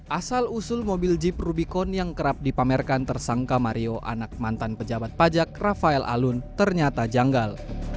asal usul mobil jeep rubicon yang kerap dipamerkan tersangka mario anak mantan pejabat pajak rafael alun ternyata janggal